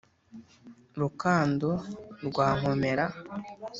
rukando rwa nkomera